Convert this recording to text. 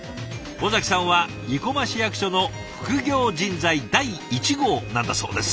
尾崎さんは生駒市役所の副業人材第１号なんだそうです。